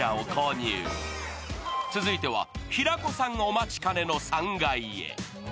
続いては、平子さんお待ちかねの３階へ。